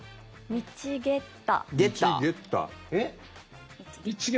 ミチゲッタ。